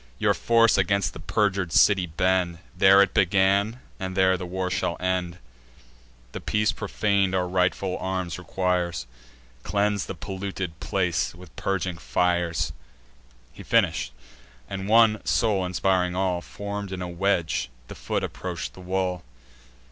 Your force against the perjur'd city bend. There it began, and there the war shall end. The peace profan'd our rightful arms requires; Cleanse the polluted place with purging fires." He finish'd; and, one soul inspiring all, Form'd in a wedge, the foot approach the wall.